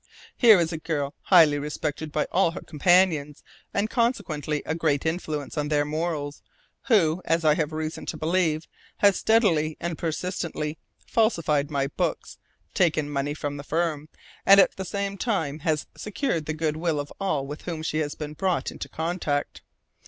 "Here is a girl, highly respected by all her companions and consequently a great influence on their morals, who, as I have reason to believe, has steadily and persistently falsified my books, taking money from the firm, and at the same time has secured the goodwill of all with whom she has been brought into contact.